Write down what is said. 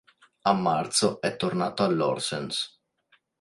A marzo è tornato all'Horsens.